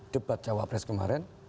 debat jawa press kemarin